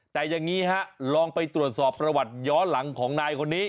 แต่อย่างนี้ฮะลองไปตรวจสอบประวัติย้อนหลังของนายคนนี้